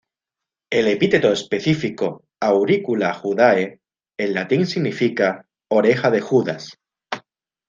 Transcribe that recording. El epíteto específico "auricula-judae", en latín, significa "oreja de Judas".